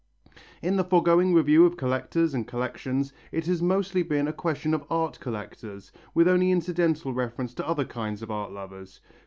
In the foregoing review of collectors and collections, it has mostly been a question of art collectors, with only incidental reference to other kinds of art lovers.